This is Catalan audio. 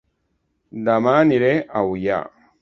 Dema aniré a Ullà